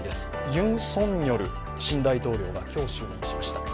ユン・ソンニョル新大統領が今日、就任しました。